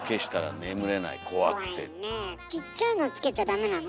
ちっちゃいのつけちゃダメなの？